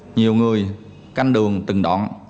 nhiều người canh đường từng đoạn